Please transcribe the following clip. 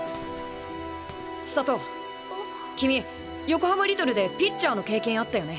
⁉千里君横浜リトルでピッチャーの経験あったよね？